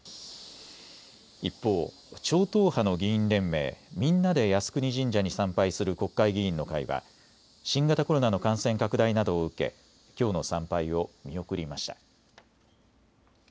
一方、超党派の議員連盟みんなで靖国神社に参拝する国会議員の会は新型コロナの感染拡大などを受けきょうの参拝を見送りました。